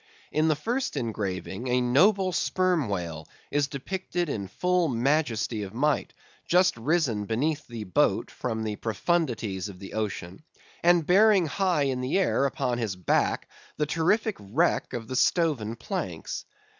In the first engraving a noble Sperm Whale is depicted in full majesty of might, just risen beneath the boat from the profundities of the ocean, and bearing high in the air upon his back the terrific wreck of the stoven planks.